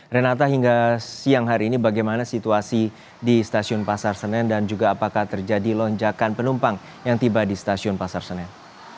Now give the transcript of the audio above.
renata hingga siang hari ini bagaimana situasi di stasiun pasar senen dan juga apakah terjadi lonjakan penumpang yang tiba di stasiun pasar senen